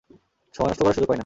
সময় নষ্ট করার সুযোগ পাই না।